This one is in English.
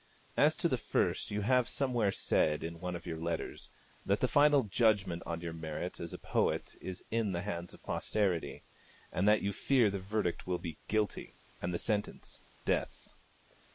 As to the first, you have somewhere said, in one of your letters, that the final judgment on your merits as a poet is in the hands of posterity, and that you fear the verdict will be 'Guilty,' and the sentence 'Death.'